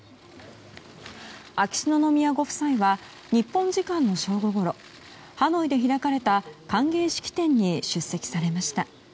秋篠宮ご夫妻は日本時間の正午ごろハノイで開かれた歓迎式典に出席されました。